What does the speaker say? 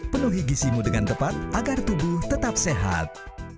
penuhi gisimu dengan tepat agar tubuh tetap sehat